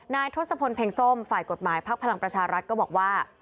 ทศพลเพ็งส้มฝ่ายกฎหมายพักพลังประชารัฐก็บอกว่า